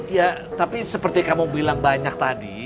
ya tapi seperti kamu bilang banyak tadi